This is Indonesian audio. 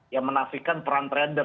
ya menafikan peran trader